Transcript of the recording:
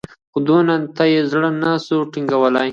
خو دانو ته یې زړه نه سو ټینګولای